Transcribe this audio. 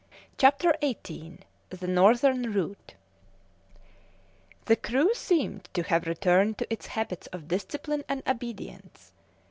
CHAPTER XVIII THE NORTHERN ROUTE The crew seemed to have returned to its habits of discipline and obedience.